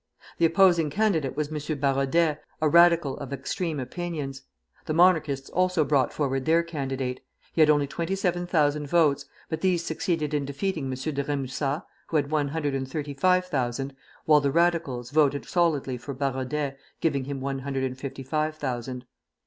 The opposing candidate was M. Barodet, a Radical of extreme opinions. The Monarchists also brought forward their candidate. He had only twenty seven thousand votes; but these succeeded in defeating M. de Rémusat, who had one hundred and thirty five thousand, while the Radicals voted solidly for Barodet, giving him one hundred and fifty five thousand.